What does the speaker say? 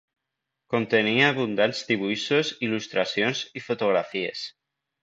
Contenia abundants dibuixos, il·lustracions i fotografies.